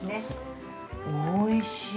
◆おいしい！